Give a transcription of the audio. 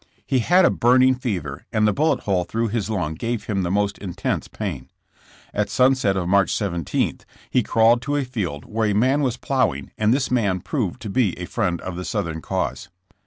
He had a burning fever, and the bullet hole through his lung gave him the most intense pain. At sunset of March 17, he crawled to a field where a man was ploughing and this man proved to be a friend of the Southern cause.